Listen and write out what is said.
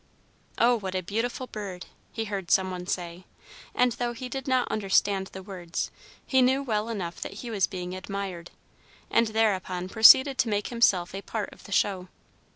"Oh, what a beautiful bird!" he heard some one say; and though he did not understand the words, he knew well enough that he was being admired, and thereupon proceeded to make himself a part of the show.